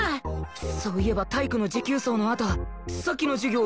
そういえば体育の持久走のあとさっきの授業いなかっ